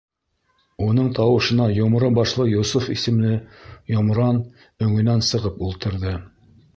Уның тауышына йомро башлы Йософ исемле йомран өңөнән сығып ултырҙы.